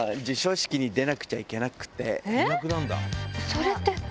それって。